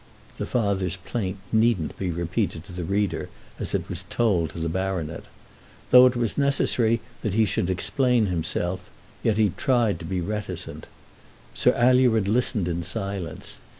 The father's plaint needn't be repeated to the reader as it was told to the baronet. Though it was necessary that he should explain himself, yet he tried to be reticent. Sir Alured listened in silence.